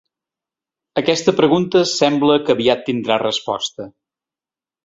Aquesta pregunta sembla que aviat tindrà resposta.